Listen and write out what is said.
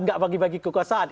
nggak bagi bagi kekuasaan